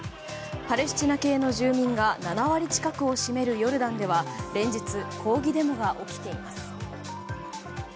パレスチナ系の住民が７割近くを占めるヨルダンでは連日、抗議デモが起きています。